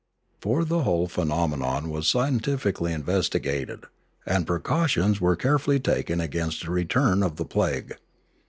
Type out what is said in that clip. For the whole phenomenon was scientifically investi gated, and precautions were carefully taken against a return of the plague.